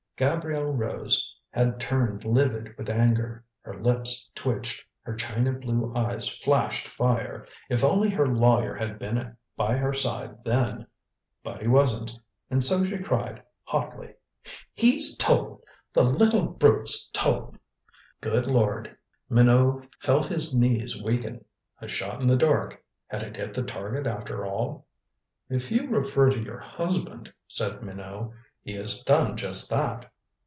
Gabrielle Rose had turned livid with anger. Her lips twitched, her china blue eyes flashed fire. If only her lawyer had been by her side then! But he wasn't. And so she cried hotly: "He's told! The little brute's told!" Good lord! Minot felt his knees weaken. A shot in the dark had it hit the target after all? "If you refer to your husband," said Minot, "he has done just that."